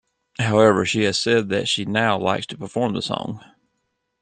However, she has said that she now likes to perform the song.